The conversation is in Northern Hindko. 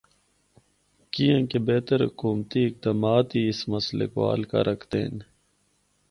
کیانکہ بہتر حکومتی اقدامات ہی اس مسئلے کو حل کر ہکدے ہن۔